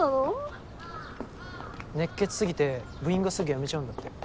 熱血すぎて部員がすぐ辞めちゃうんだって。